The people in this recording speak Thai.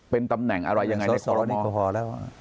เป็นตำแหน่งอะไรยังไง